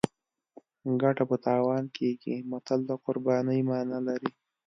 ګټه په تاوان کیږي متل د قربانۍ مانا لري